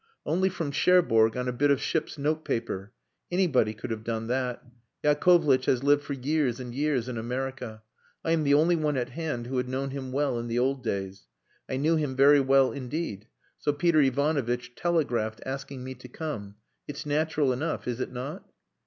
Only from Cherbourg on a bit of ship's notepaper. Anybody could have done that. Yakovlitch has lived for years and years in America. I am the only one at hand who had known him well in the old days. I knew him very well indeed. So Peter Ivanovitch telegraphed, asking me to come. It's natural enough, is it not?"